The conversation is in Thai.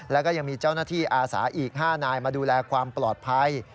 แล้วก็ยังมีเจ้าหน้าที่อาสาอีก๕นายมาดูแลความปลอดภัย